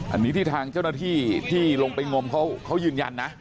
อันนี้ที่ทางเจ้าหน้าที่ที่ลงไปงมเขายืนยันนะ